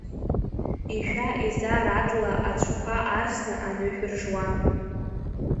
Ишәа-иза, радла аҵәқәа арсны, анышә ржуан.